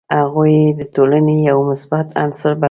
هغوی یې د ټولني یو مثبت عنصر بللي.